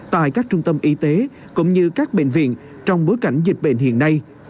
tại các trung tâm y tế cũng như các bệnh viện trong bối cảnh dịch bệnh hiện nay